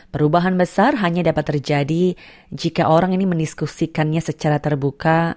perubahan besar hanya dapat terjadi jika orang ini mendiskusikannya secara terbuka